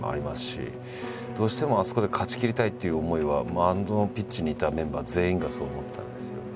どうしてもあそこで勝ちきりたいっていう思いはマウンドのピッチにいたメンバー全員がそう思ってたんですよね。